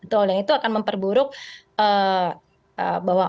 betul dan itu akan memperburuk bahwa